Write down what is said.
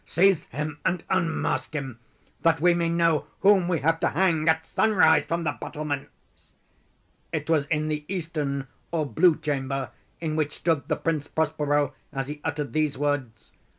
Seize him and unmask him—that we may know whom we have to hang at sunrise, from the battlements!" It was in the eastern or blue chamber in which stood the Prince Prospero as he uttered these words.